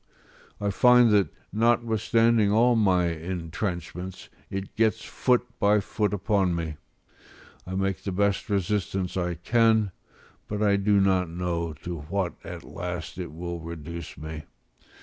I find that, notwithstanding all my entrenchments, it gets foot by foot upon me: I make the best resistance I can, but I do not know to what at last it will reduce me.